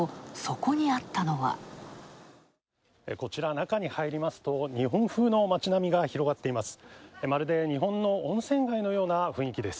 こちら中に入りますと、日本風の町並みが広がっています。